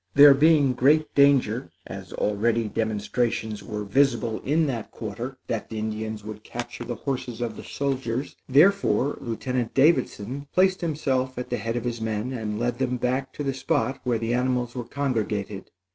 There being great danger, as already demonstrations were visible in that quarter, that the Indians would capture the horses of the soldiers, therefore Lieutenant Davidson placed himself at the head of his men and led them back to the spot where the animals were congregated.